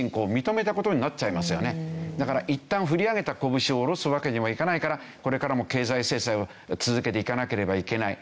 だからいったん振り上げた拳を下ろすわけにはいかないからこれからも経済制裁を続けていかなければいけない。